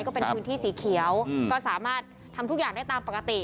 ก็เป็นพื้นที่สีเขียวก็สามารถทำทุกอย่างได้ตามปกติ